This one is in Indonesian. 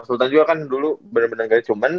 sultan juga kan dulu bener bener ga cuman ikut klub